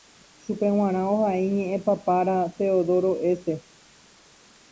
Chupe g̃uarã ohai ñeʼẽpapára Teodoro S.